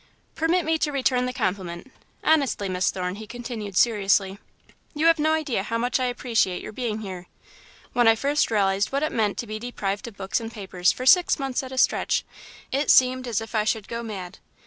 "Permit me to return the compliment. Honestly, Miss Thorne," he continued, seriously, "you have no idea how much I appreciate your being here. When I first realised what it meant to be deprived of books and papers for six months at a stretch, it seemed as if I should go mad.